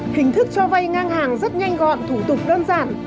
hình thức cho vay ngang hàng rất nhanh gọn thủ tục đơn giản